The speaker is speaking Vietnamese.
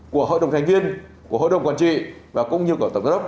của hội đồng thành viên của hội đồng quản trị và cũng như của tổng giám đốc